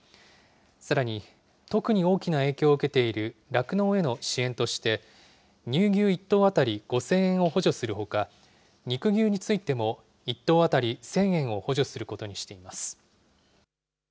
さらに、特に大きな影響を受けている酪農への支援として、乳牛１頭当たり５０００円を補助するほか、肉牛についても１頭当たり１０００円を補助することにしています。